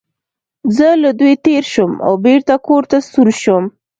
زه له دوی تېر شوم او بېرته کور ته ستون شوم.